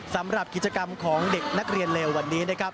สำหรับกิจกรรมของเด็กนักเรียนเลววันนี้นะครับ